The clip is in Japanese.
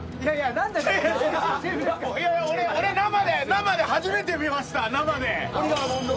生で初めて見ました生で。